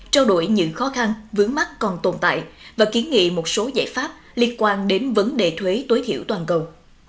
trao đổi những khó khăn vướng mắt còn tồn tại và kiến nghị một số giải pháp liên quan đến vấn đề thuế tối thiểu toàn cầu